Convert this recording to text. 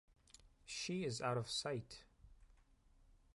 She is out of sight